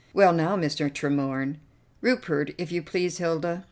"Well, now, Mr. Tremorne " "Rupert, if you please, Hilda!"